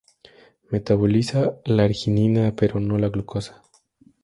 Metaboliza la arginina pero no la glucosa.